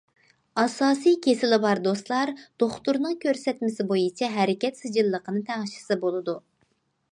ئاساسىي كېسىلى بار دوستلار دوختۇرنىڭ كۆرسەتمىسى بويىچە ھەرىكەت سىجىللىقىنى تەڭشىسە بولىدۇ.